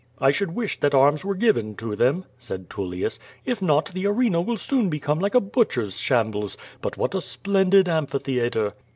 "I should wish that arms were given to them/' said Tullius, \t not, the arena will soon become like a butcher's shambles. But what a splendid amphitheatre!''